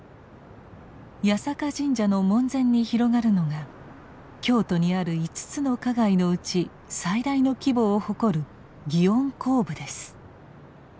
八坂神社の門前に広がるのが京都にある５つの花街のうち最大の規模を誇る「祇園甲部」です。